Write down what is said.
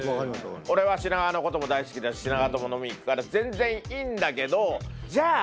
俺は品川のことも大好きだし品川とも飲みに行くから全然いいんだけどじゃあ